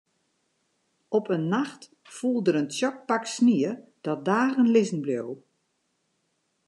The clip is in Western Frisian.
Op in nacht foel der in tsjok pak snie dat dagen lizzen bleau.